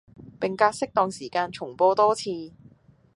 並隔適當時間重播多次